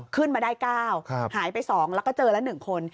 ขึ้นมาได้๙หายไป๒แล้วก็เจอละ๑คน